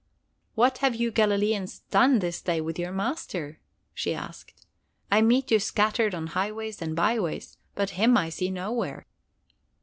"What have you Galileans done this day with your Master?" she asked. "I meet you scattered on highways and byways, but him I see nowhere."